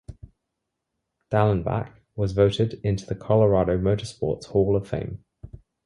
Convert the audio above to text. Dallenbach was voted into the Colorado Motorsports Hall of Fame.